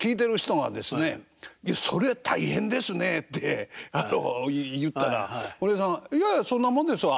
「いやそれ大変ですね」って言ったら堀江さん「いやいやそんなもんですわ」